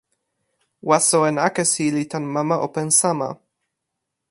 waso en akesi li tan mama open sama.